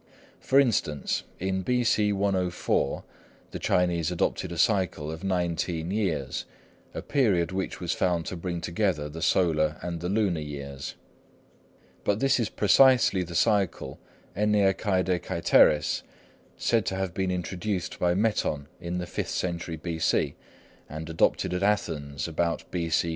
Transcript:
For instance, in B.C. 104 the Chinese adopted a cycle of nineteen years, a period which was found to bring together the solar and the lunar years. But this is precisely the cycle, ἐννεακαιδεκαετηρίς, said to have been introduced by Meton in the fifth century B.C., and adopted at Athens about B.C.